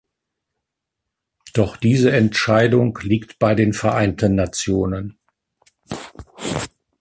Doch diese Entscheidung liegt bei den Vereinten Nationen.